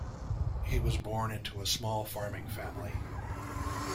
He was born into a small farming family.